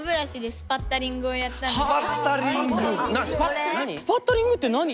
スパッタリングって何？